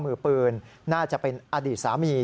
มือปืนน่าจะเป็นอดีตสามี